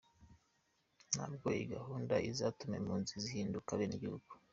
Ntabwo iyi gahunda izatuma impunzi zihinduka abenegihugu.